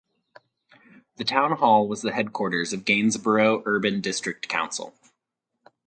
The town hall was the headquarters of Gainsborough Urban District Council.